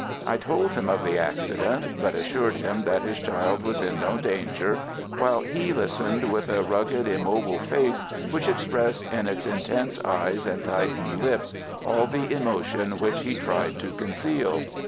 I told him of the accident, but assured him that his child was in no danger, while he listened with a rugged, immobile face, which expressed in its intense eyes and tightened lips all the emotion which he tried to conceal.